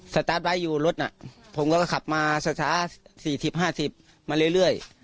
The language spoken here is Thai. สตาร์ทไททอยู่รถน่ะผมก็ขับมาช้า๔๐๕๐มาเรื่อย